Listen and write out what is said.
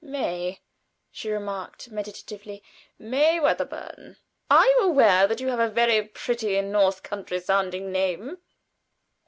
"May," she remarked, meditatively; "May Wedderburn. Are you aware that you have a very pretty north country sounding name?"